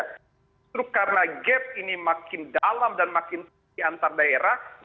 justru karena gap ini makin dalam dan makin tinggi antar daerah